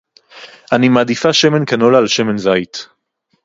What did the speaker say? אני מעדיפה שמן קנולה על שמן זית.